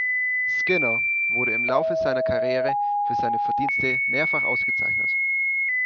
Skinner wurde im Laufe seiner Karriere für seine Verdienste mehrfach ausgezeichnet.